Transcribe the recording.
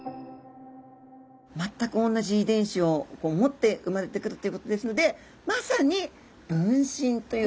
全く同じ遺伝子をこう持って生まれてくるということですのでまさに分身という。